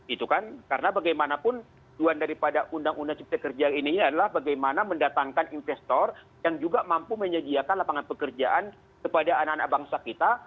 itu kan karena bagaimanapun tuan daripada undang undang cipta kerja ini adalah bagaimana mendatangkan investor yang juga mampu menyediakan lapangan pekerjaan kepada anak anak bangsa kita